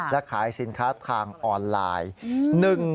และขายสินค้าทางออนไลน์